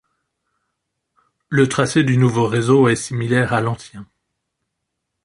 Le tracé du nouveau réseau est similaire à l'ancien.